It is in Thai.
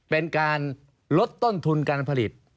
เป็นการลดต้นทุนการผลิต